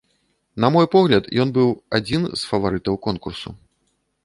На мой погляд, ён быў адзін з фаварытаў конкурсу.